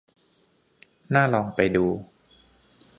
น่าลองไปดู